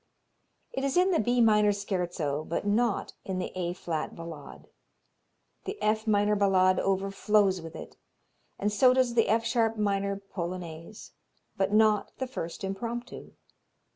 It is in the B minor Scherzo but not in the A flat Ballade. The F minor Ballade overflows with it, and so does the F sharp minor Polonaise, but not the first Impromptu.